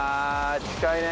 近いね。